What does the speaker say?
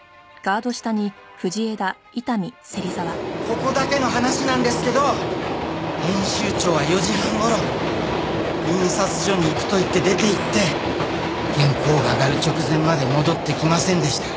ここだけの話なんですけど編集長は４時半頃印刷所に行くと言って出ていって原稿が上がる直前まで戻ってきませんでした。